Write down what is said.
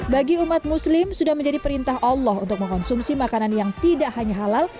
bagi umat muslim sudah menjadi perintah allah untuk mengkonsumsi makanan yang tidak hanya halal